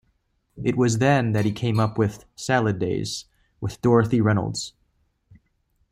It was then that he came up with "Salad Days" with Dorothy Reynolds.